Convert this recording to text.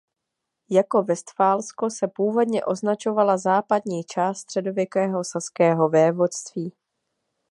Jako Vestfálsko se původně označovala západní část středověkého Saského vévodství.